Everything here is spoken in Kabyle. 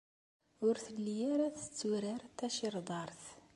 Ur telli ara tetturar tacirḍart.